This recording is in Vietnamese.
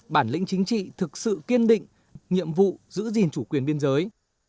bản lĩnh chính trị thực sự kiên định nhiệm vụ giữ gìn chủ quyền biên giới